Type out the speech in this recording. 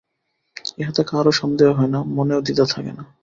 ইহাতে কাহারও সন্দেহ হয় না, মনেও দ্বিধা থাকে না।